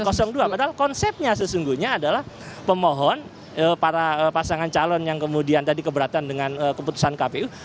padahal konsepnya sesungguhnya adalah pemohon para pasangan calon yang kemudian tadi keberatan dengan keputusan kpu